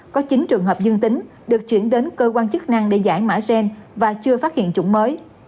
có chín trường hợp dương tính được chuyển đến cơ quan chức năng để giải mã gen và chưa phát hiện chủng mới